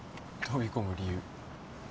飛び込む理由。